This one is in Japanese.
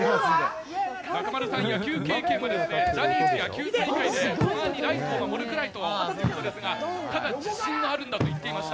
中丸さん、野球経験は、ジャニーズ野球大会で、ライトを守るぐらいということですが、ただ、自信はあるんだと言っていました。